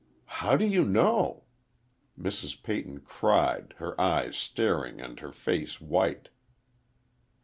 "How do you know?" Mrs. Peyton cried, her eyes staring and her face white.